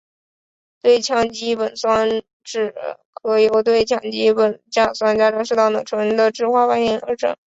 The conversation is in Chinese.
对羟基苯甲酸酯可由对羟基苯甲酸加上适当的醇的酯化反应制成。